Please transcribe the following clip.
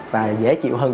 và dễ chịu hơn nữa